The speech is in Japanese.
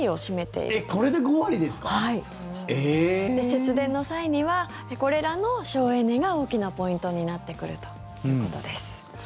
節電の際にはこれらの省エネが大きなポイントになってくるということです。